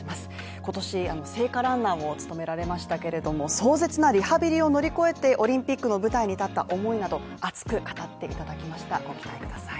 今年あの聖火ランナーを務められましたけれども壮絶なリハビリを乗り越えてオリンピックの舞台に立った思いなどを熱く語っていただきましたご期待ください。